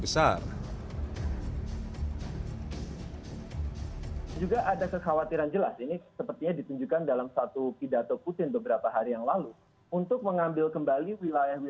peneliti hubungan international center for strategic and international studies gilang kembara menyebut